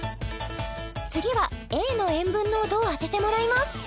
次はＡの塩分濃度を当ててもらいます